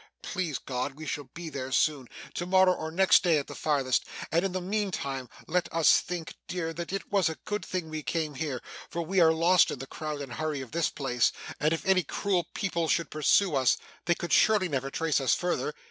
Please God, we shall be there soon to morrow or next day at the farthest and in the meantime let us think, dear, that it was a good thing we came here; for we are lost in the crowd and hurry of this place, and if any cruel people should pursue us, they could surely never trace us further.